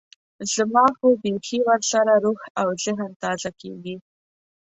زما خو بيخي ورسره روح او ذهن تازه کېږي.